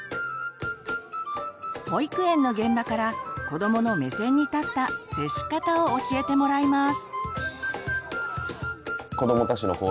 保育園の現場から子どもの目線に立った接し方を教えてもらいます。